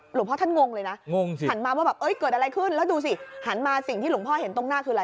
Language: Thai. หลวงพ่อท่านงงเลยนะงงสิหันมาว่าแบบเอ้ยเกิดอะไรขึ้นแล้วดูสิหันมาสิ่งที่หลวงพ่อเห็นตรงหน้าคืออะไร